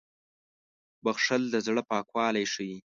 • بښل د زړه پاکوالی ښيي.